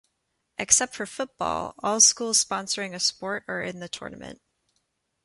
Except for football, all schools sponsoring a sport are in the tournament.